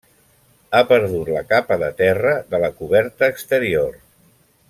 Ha perdut la capa de terra de la coberta exterior.